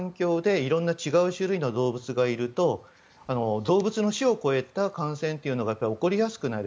いろんな違う種類の動物がいると動物の種を超えた感染が起こりやすくなる。